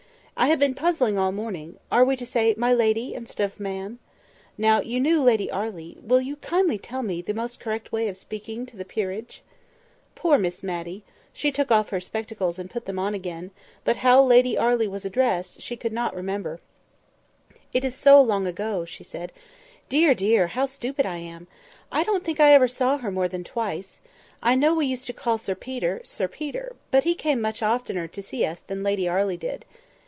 I have been puzzling all morning; and are we to say 'My Lady,' instead of 'Ma'am?' Now you knew Lady Arley—will you kindly tell me the most correct way of speaking to the peerage?" Poor Miss Matty! she took off her spectacles and she put them on again—but how Lady Arley was addressed, she could not remember. "It is so long ago," she said. "Dear! dear! how stupid I am! I don't think I ever saw her more than twice. I know we used to call Sir Peter, 'Sir Peter'—but he came much oftener to see us than Lady Arley did.